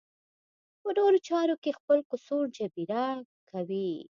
په نورو چارو کې خپل قصور جبېره کوي.